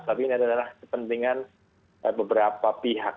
tapi ini adalah kepentingan beberapa pihak